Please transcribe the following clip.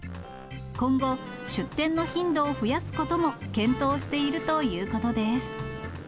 今後、出店の頻度を増やすことも検討しているということです。